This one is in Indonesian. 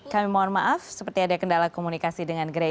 kami mohon maaf seperti ada kendala komunikasi dengan grey